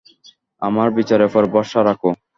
আমার বিচারের ওপর ভরসা রাখো।